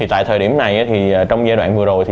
tại thời điểm này trong giai đoạn vừa rồi